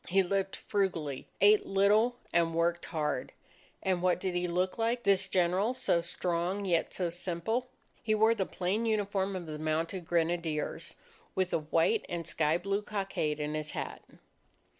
He lived frugally, ate little, and worked hard. And what did he look like, this General so strong yet so simple? He wore the plain uniform of the Mounted Grenadiers, with the white and sky blue cockade in his hat.